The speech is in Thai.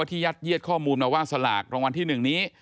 ยัดเยียดข้อมูลมาว่าสลากรางวัลที่๑นี้